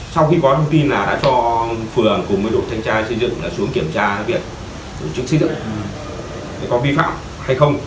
sau khi có thông tin là đã cho phường cùng với đội thanh tra xây dựng xuống kiểm tra việc tổ chức xây dựng có vi phạm hay không